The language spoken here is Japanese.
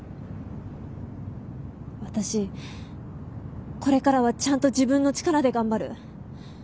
私これからはちゃんと自分の力で頑張る。